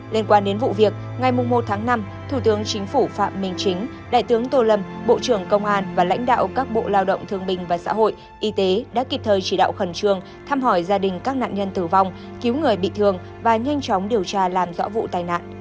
liên quan đến vụ việc ngày một tháng năm thủ tướng chính phủ phạm minh chính đại tướng tô lâm bộ trưởng công an và lãnh đạo các bộ lao động thương bình và xã hội y tế đã kịp thời chỉ đạo khẩn trương thăm hỏi gia đình các nạn nhân tử vong cứu người bị thương và nhanh chóng điều tra làm rõ vụ tai nạn